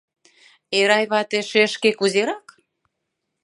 Эрай вате... шешке кузерак?..